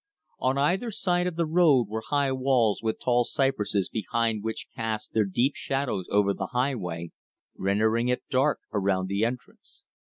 On either side of the road were high walls with tall cypresses behind which cast their deep shadows over the highway, rendering it dark around the entrance.